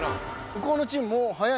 向こうのチーム早いな。